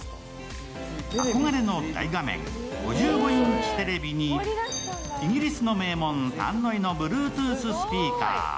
憧れの大画面、５５インチテレビにイギリスの名門、ダンノイのＢｌｕｅｔｏｏｔｈスピーカー。